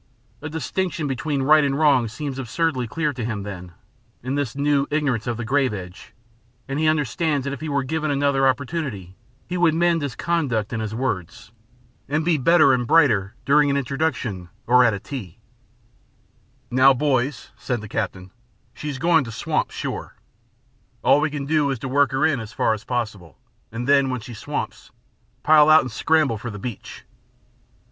A distinction between right and wrong seems absurdly clear to him, then, in this new ignorance of the grave edge, and he understands that if he were given another opportunity he would mend his conduct and his words, and be better and brighter during an introduction or at a tea. "Now, boys," said the captain, "she is going to swamp, sure. All we can do is to work her in as far as possible, and then when she swamps, pile out and scramble for the beach.